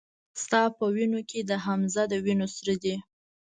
ستا په اننګو کې د حمزه د وينو سره دي